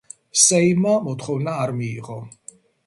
სეიმმა მოთხოვნა არ მიიღო.